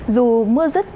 dù mưa rất